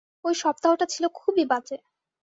ঐ সপ্তাহটা ছিল খুবই বাজে।